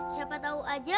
siapa tau aja